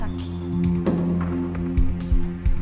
mbak endin dapat musibah